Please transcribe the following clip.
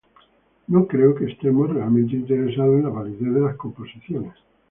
No creo que estemos realmente interesados en la validez de las composiciones.